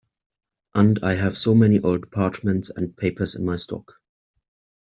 And I have so many old parchments and papers in my stock.